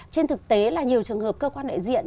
trên thực tế là nhiều trường hợp cơ quan đại diện